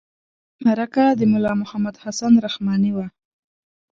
مرکه د ملا محمد حسن رحماني وه.